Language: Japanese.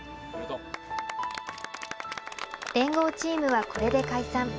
連合チームはこれで解散。